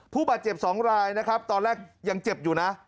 ผู้บาดเจ็บ๒รายนะครับตอนแรกยังเจ็บอยู่นะ